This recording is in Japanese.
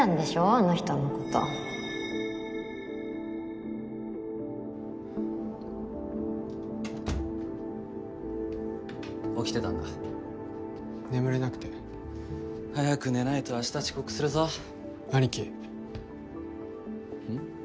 あの人のこと起きてたんだ眠れなくて早く寝ないと明日遅刻するぞ兄貴うん？